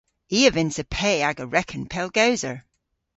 I a vynnsa pe aga reken pellgowser.